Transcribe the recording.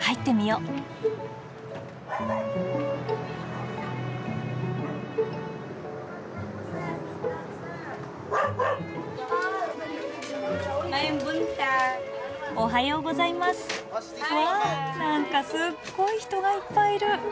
うわ何かすっごい人がいっぱいいる。